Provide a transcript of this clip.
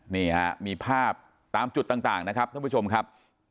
นี่ฮะมีภาพตามจุดต่างนะครับท่านผู้ชมครับ